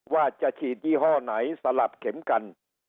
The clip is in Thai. ว่าจะฉีดยี่ห้อไหนสลับเข็มกัน